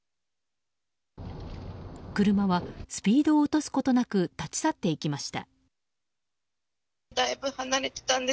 車はスピードを落とすことなくそのまま立ち去っていきました。